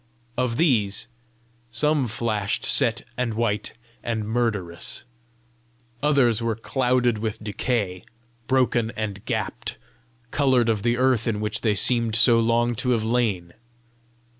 Of these, some flashed set and white and murderous; others were clouded with decay, broken and gapped, coloured of the earth in which they seemed so long to have lain!